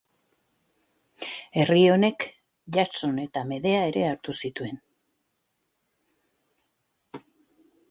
Herri honek, Jason eta Medea ere hartu zituen.